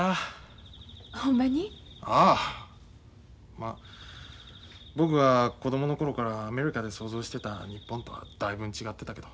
まあ僕が子供の頃からアメリカで想像してた日本とはだいぶん違ってたけど。